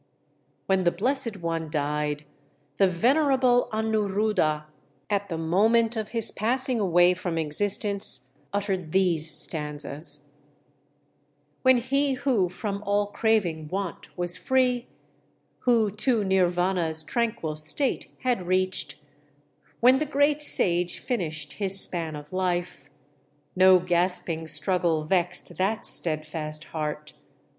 When the Blessed One died, the venerable Anuruddha, at the moment of his passing away from existence, uttered these stanzas: "When he who from all craving want was free, Who to Nirvana's tranquil state had reached, When the great sage finished his span of life, No gasping struggle vexed that steadfast heart!